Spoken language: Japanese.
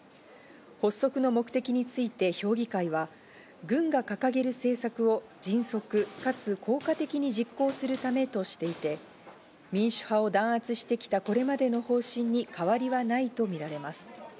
補足の目的について評議会は、軍が掲げる政策を迅速かつ効果的に実行するためとしていて、民主派を弾圧してきたこれまでの方針に変わりはないとみられます。